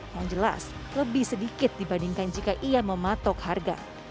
yang jelas lebih sedikit dibandingkan jika ia mematok harga